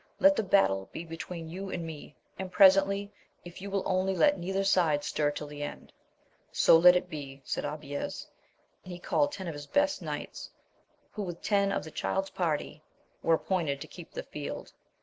Let the battle be between you and me, and presently, if you will, only let neither side stir till the end. — So let it be, said Abies ; and he called ten of his best knights, who, with ten knights of the Child's party, were 1 AMADIS OF GAUL 55 apijointed to keep the field.